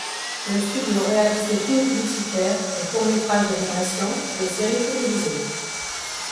Le studio réalise des films publicitaires, des courts métrages d'animation, des séries télévisées.